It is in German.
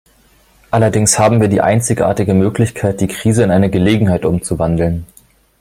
Allerdings haben wir die einzigartige Möglichkeit, die Krise in eine Gelegenheit umzuwandeln.